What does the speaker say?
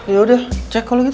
yaudah cek kalo gitu